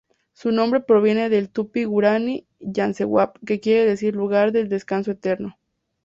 Su nombre proviene del Tupi-Guaraní "yace-guab" que quiere decir "Lugar del descanso eterno".